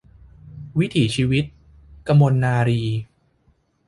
วิถีชีวิต - กมลนารีย์